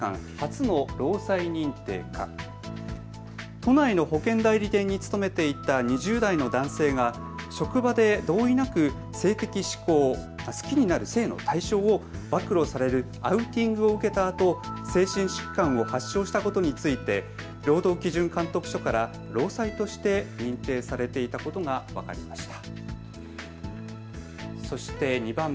都内の保険代理店に勤めていた２０代の男性が職場で同意なく性的指向、好きになる性の対象を暴露されるアウティングを受けたあと、精神疾患を発症したことについて労働基準監督署から労災として認定されていたことが分かりました。